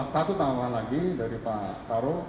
satu tambahan lagi dari pak karul